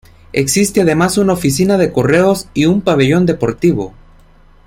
Existe además una oficina de correos y un pabellón deportivo.